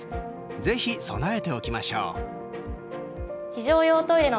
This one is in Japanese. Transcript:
ぜひ備えておきましょう。